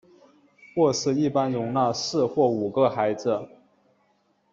卧室一般容纳四或五个孩子。